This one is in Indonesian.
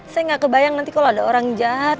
saya nggak kebayang nanti kalau ada orang jahat